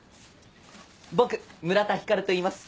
僕村田光といいます。